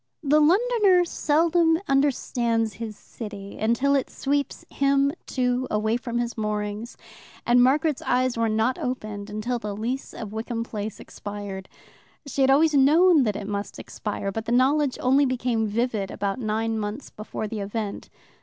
The Londoner seldom understands his city until it sweeps him, too, away from his moorings, and Margaret's eyes were not opened until the lease of Wickham Place expired. She had always known that it must expire, but the knowledge only became vivid about nine months before the event.